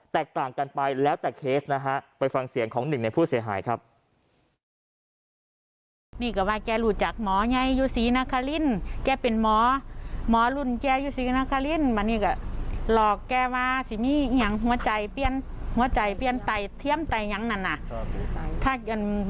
แตกต่างกันไปแล้วแต่เคสนะฮะไปฟังเสียงของหนึ่งในผู้เสียหายครับ